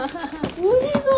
おいしそう。